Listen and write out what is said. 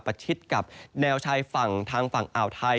ชิดกับแนวชายฝั่งทางฝั่งอ่าวไทย